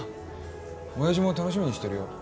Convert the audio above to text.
親父も楽しみにしてるよ